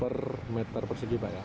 per meter persegi banyak